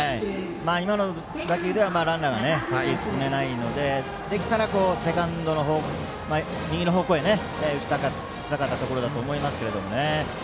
今の打球ではランナーは先に進めないのでできたらセカンドの右の方向へ打ちたかったところだと思いますけどね。